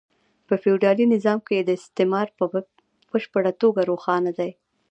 په فیوډالي نظام کې استثمار په بشپړه توګه روښانه دی